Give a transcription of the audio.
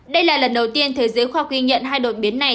đây là lần đầu tiên thế giới khoa ghi nhận hai đột biến này